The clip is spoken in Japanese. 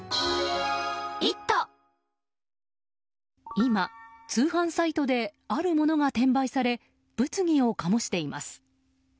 今、通販サイトであるものが転売され物議を醸しています。